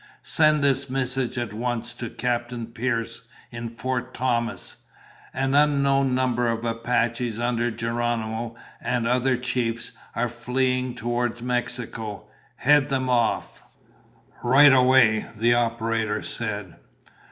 "Send this message at once to Captain Pierce, in Fort Thomas: 'An unknown number of Apaches under Geronimo and other chiefs are fleeing toward Mexico. Head them off.'" "Right away," the operator said.